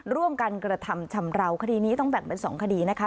ร่วมกันกระทำชำราวคดีนี้ต้องแบ่งเป็น๒คดีนะคะ